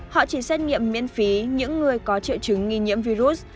họ chỉ xét nghiệm miễn phí những người có triệu chứng nghi nhiễm virus